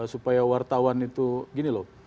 supaya wartawan itu gini loh